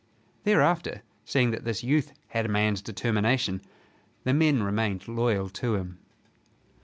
Thereafter, seeing that this youth had a man's determination, the men remained loyal to him.